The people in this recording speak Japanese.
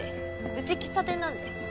うち喫茶店なんで。